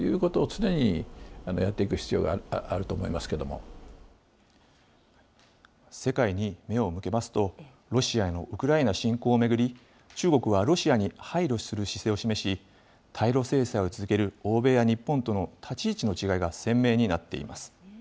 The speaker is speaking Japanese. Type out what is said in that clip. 両国政府、世界に目を向けますと、ロシアのウクライナ侵攻を巡り、中国はロシアに配慮する姿勢を示し、対ロ制裁を続ける欧米や日本との立ち位置の違いが鮮明になっています。